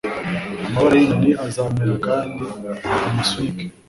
Amababa y'inyoni azamera kandi amusunike,